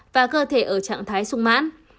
và cơ thể ở trạng thái sung mãn